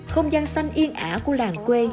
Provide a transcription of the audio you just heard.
không gian xanh yên ả của làng quê